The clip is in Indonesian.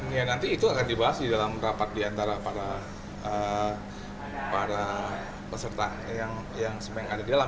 ya nanti itu akan dibahas di dalam rapat diantara para peserta yang ada di dalam